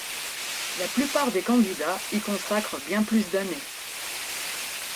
La plupart des candidats y consacrent bien plus d'années.